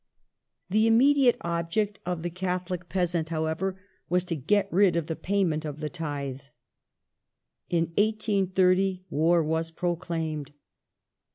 The immediate object of the Catholic peasant, however, was to get rid of the payment of " Tithe ". In 1830 war was proclaimed